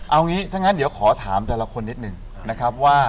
เอางี้ถ้างั้นเดี๋ยวขอถามแต่ละคนนิดหนึ่งนะครับว่า